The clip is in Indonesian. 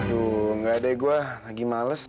aduh gak deh gue lagi males